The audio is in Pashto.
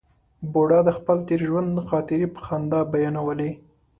بوډا د خپل تېر ژوند خاطرې په خندا بیانولې.